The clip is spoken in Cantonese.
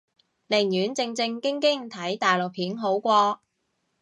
寧願正正經經睇大陸片好過